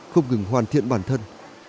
không ngừng hoàn thiện bản thân